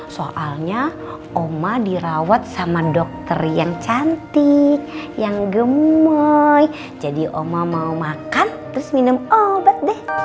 soalnya oma dirawat sama dokter yang cantik yang gemei jadi oma mau makan terus minum obat deh